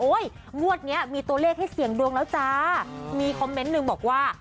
งวดเนี้ยมีตัวเลขให้เสี่ยงดวงแล้วจ้ามีคอมเมนต์หนึ่งบอกว่า